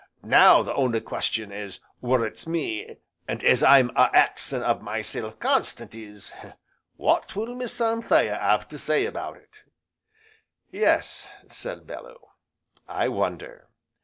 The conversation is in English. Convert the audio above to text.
Now the only question as worrits me, and as I'm a axin' of myself constant is, what will Miss Anthea 'ave to say about it?" "Yes," said Bellew, "I wonder!"